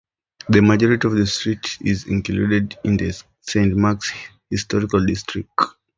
The majority of the street is included in the Saint Mark's Historic District.